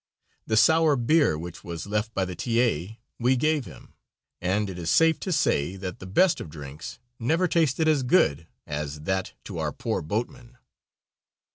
The sour beer which was left by the T. A. we gave him, and it is safe to say that the best of drinks never tasted as good as that to our poor boatman.